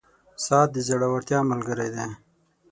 • ساعت د زړورتیا ملګری دی.